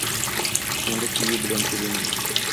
Соңгы сөю белән түлимен.